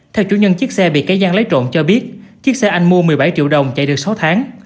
theo chủ nhân chiếc xe bị cái gian lấy trộn cho biết chiếc xe anh mua một mươi bảy triệu đồng chạy được sáu tháng